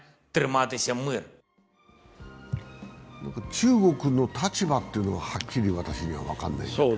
中国の立場ってのははっきり私には分からない。